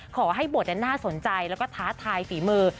ขอให้บทน่าสนใจแล้วก็ท้าทายฝีมือ